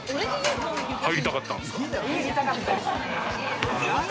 入りたかったですね。